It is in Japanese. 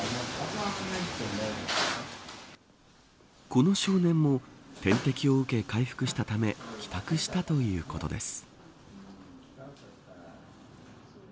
この少年も点滴を打って回復したため帰宅したということです。